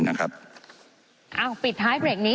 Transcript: ไม่ได้เป็นประธานคณะกรุงตรี